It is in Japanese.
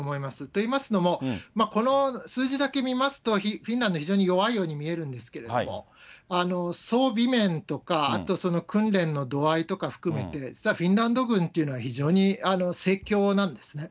といいますのも、この数字だけ見ますと、フィンランド、非常に弱いように見えるんですけれども、装備面とか、あと訓練の度合いとか含めて、実はフィンランド軍というのは非常に盛況なんですね。